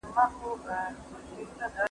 عصري غلامي په پټه توګه ترسره کیږي.